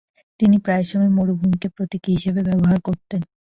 তিনি প্রায় সময় মরুভূমিকে প্রতীকী হিসেবে ব্যবহার করতেন।